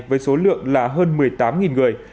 với số lượng là hơn một mươi tám người